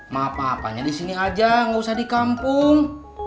ma bapaknya di sini aja nggak usah di kampung